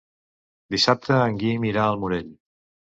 Dissabte en Guim irà al Morell.